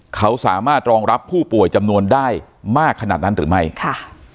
เขาสามารถรองรับผู้ป่วยจำนวนได้มากขนาดนั้นหรือไม่ค่ะ